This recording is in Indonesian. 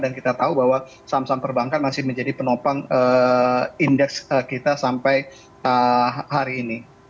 dan kita tahu bahwa saham saham perbankan masih menjadi penopang indeks kita sampai hari ini